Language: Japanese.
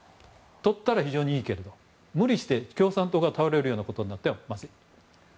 取ったら非常にいいけど無理して共産党が倒れることになってはまずい。